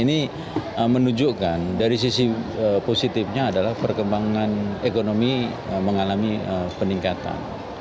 ini menunjukkan dari sisi positifnya adalah perkembangan ekonomi mengalami peningkatan